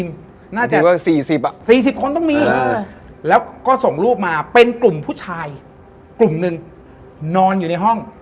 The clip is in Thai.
มันเหมือนมีคนมาเขยา